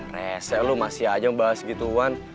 reset lo masih aja ngebahas gituan